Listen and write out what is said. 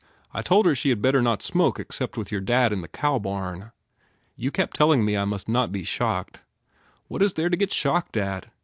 I told her she had better not smoke except with your dad in the cowbarn. You kept telling me I must not be shocked. What is there to get shocked at?